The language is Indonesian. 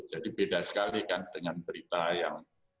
jadi beda sekali kan dengan berita yang